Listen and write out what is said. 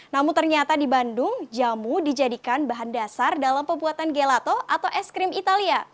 namun ternyata di bandung jamu dijadikan bahan dasar dalam pembuatan gelato atau es krim italia